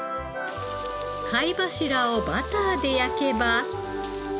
貝柱をバターで焼けば。